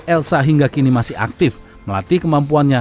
elsa hingga kini masih aktif melatih kemampuannya